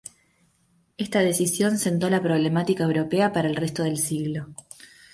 Esta decisión sentó la problemática europea para el resto del siglo.